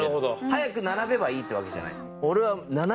早く並べばいいってわけじゃない。